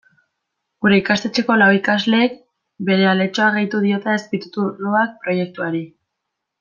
Gure ikastetxeko lau ikasleek bere aletxoa gehitu diote azpitituluak proiektuari.